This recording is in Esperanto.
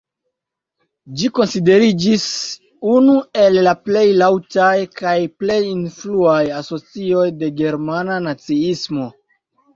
Ĝi konsideriĝis unu el la plej laŭtaj kaj plej influaj asocioj de germana naciismo.